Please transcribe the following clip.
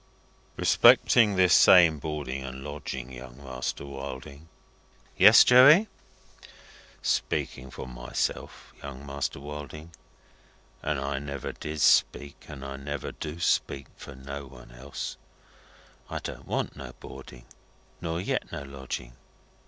"Respecting this same boarding and lodging, Young Master Wilding," said he. "Yes, Joey?" "Speaking for myself, Young Master Wilding and I never did speak and I never do speak for no one else I don't want no boarding nor yet no lodging.